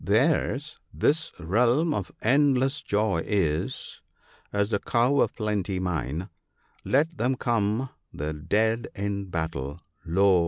Theirs this realm of endless joy is, as the Cow of Plenty mine ; Let them come — the Dead in battle— Lo!